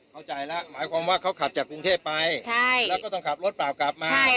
เข้าใจแล้วหมายความว่าเขาขับจากกรุงเทพไปแล้วก็ต้องขับรถเปล่ากลับมา